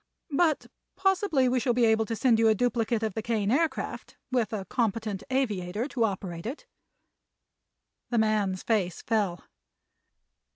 But possibly we shall be able to send you a duplicate of the Kane Aircraft, with a competent aviator to operate it." The man's face fell.